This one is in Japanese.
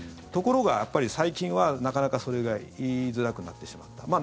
ところが、やっぱり最近はなかなかそれが言いづらくなってしまった。